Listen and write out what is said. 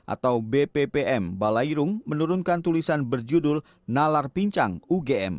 atau bppm balairung menurunkan tulisan berjudul nalar pincang ugm